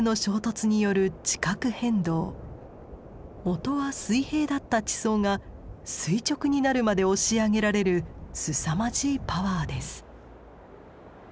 もとは水平だった地層が垂直になるまで押し上げられるすさまじいパワーです。